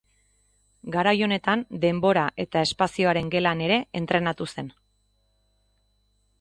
Garai honetan Denbora eta Espazioaren gelan ere entrenatu zen.